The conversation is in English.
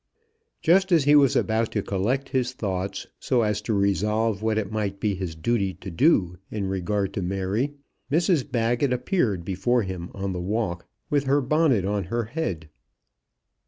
Just as he was about to collect his thoughts, so as to resolve what it might be his duty to do in regard to Mary, Mrs Baggett appeared before him on the walk with her bonnet on her head.